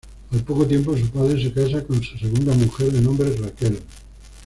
Al poco tiempo su padre se casa con su segunda mujer de nombre Raquel.